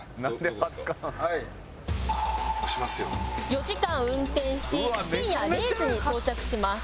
「４時間運転し深夜０時に到着します」